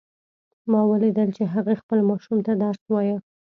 ما ولیدل چې هغې خپل ماشوم ته درس وایه